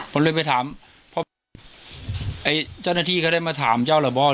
ผมเลยไปถามเจ้าหน้าที่เขาได้มาถามเจ้าเหรอบ้าง